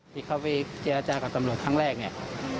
ที่เขาไปเจรจากับตำรวจครั้งแรกเนี่ย